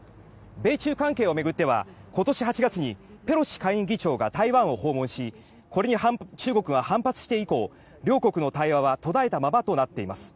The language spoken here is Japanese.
米中関係を巡っては今年８月にペロシ下院議長が台湾を訪問しこれに中国が反発して以降両国の対話は途絶えたままとなっています。